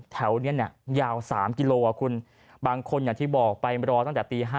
แถวนี้ยาว๓กิโลคุณบางคนอย่างที่บอกไปรอตั้งแต่ตี๕